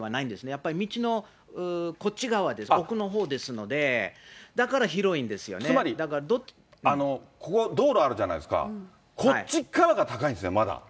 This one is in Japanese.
やっぱり道のこっち側ですから、奥のほうですので、だから広いんつまり、ここ道路あるじゃないですか、こっち側が高いんですね、まだ。